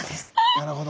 なるほど。